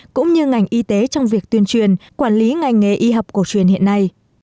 cũng như ngành y tế trong việc tuyên truyền quản lý ngành nghề y học cổ truyền hiện nay